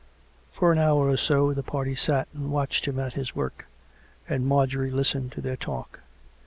For an hour or so, the party sat and watched him at his work; and Marjorie listened to their talk.